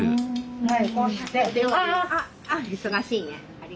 はい。